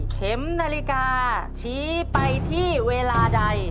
เข็มนาฬิกาชี้ไปที่เวลาใด